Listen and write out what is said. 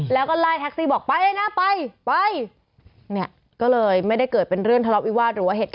แล้วก็ไลน์แท็กซี่บอกไปนะไปเนี่ยก็เลยไม่ได้เกิดเป็นเรื่องทะเลาะวิวาส